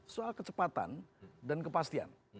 soal kecepatan dan kepastian